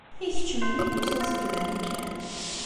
I kečč melmi d-tusiḍ seg Marikan?